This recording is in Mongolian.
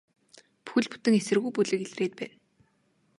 Бүхэл бүтэн эсэргүү бүлэг илрээд байна.